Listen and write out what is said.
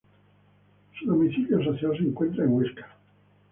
Su domicilio social se encontraba en Huesca.